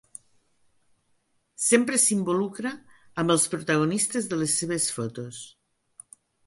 Sempre s'involucra amb els protagonistes de les seves fotos.